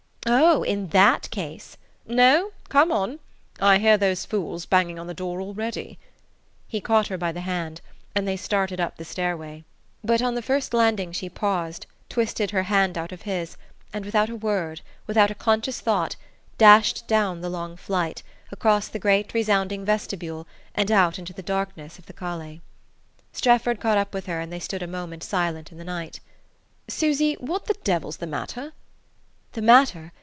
"Oh, in that case !" "No; come on. I hear those fools banging on the door already." He caught her by the hand, and they started up the stairway. But on the first landing she paused, twisted her hand out of his, and without a word, without a conscious thought, dashed down the long flight, across the great resounding vestibule and out into the darkness of the calle. Strefford caught up with her, and they stood a moment silent in the night. "Susy what the devil's the matter?" "The matter?